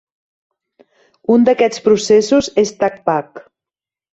Un d'aquests processos és Tacpac.